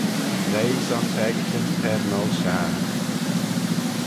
Leih son peccaghyn t'er ngholl shaghey.